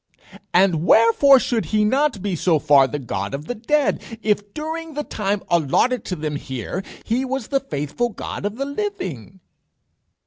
"And wherefore should he not be so far the God of the dead, if during the time allotted to them here, he was the faithful God of the living?"